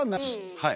はい。